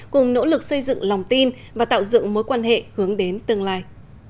cùng nỗ lực xây dựng lòng tin và tạo dựng mối quan hệ hướng đến tương lai